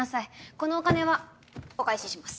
このお金はお返しします。